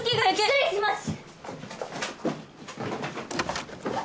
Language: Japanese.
失礼します！